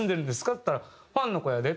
って言ったら「ファンの子やで」